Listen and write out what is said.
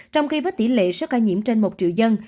trong khi với tỷ lệ số ca nhiễm trên một triệu dân